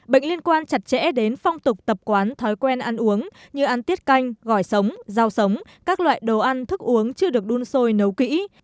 bệnh liên quan chặt chẽ đến phong tục tập quán thói quen ăn uống như ăn tiết canh gỏi sống rau sống các loại đồ ăn thức uống chưa được đun sôi nấu kỹ